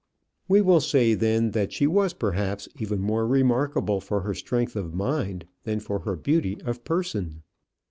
We will say, then, that she was perhaps even more remarkable for her strength of mind than for her beauty of person.